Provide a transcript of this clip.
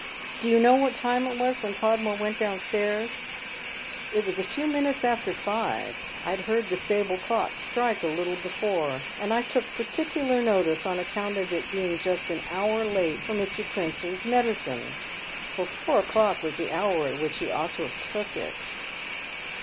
" Do you know what time it was when Podmore went down stairs ?"" It was a few minutes after five. I'd heard the stable clock Atrike a little before. And I took particular notice on account of its being just an hour late for Mr. Trenchard's medicine, for four o'clock was the hour at which he ought to have took it."